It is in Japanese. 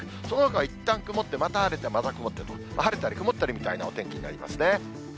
そのあとはいったん曇って、また晴れて、晴れたり曇ったりみたいなお天気になりますね。